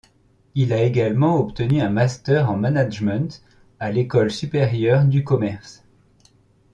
Il a également obtenu un master en management à l'École supérieure du commerce.